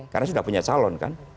karena sudah punya calon kan